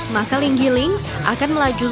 maka linggiling akan melajukkan